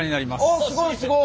ああすごいすごい！